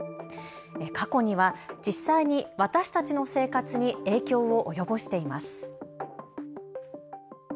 過去には実際に私たちの生活に影響を及ぼしています。